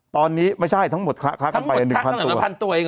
ตอนนี้ไม่ใช่ทั้งหมดคละกันไป๑๐๐ตัว๑๐๐ตัวเอง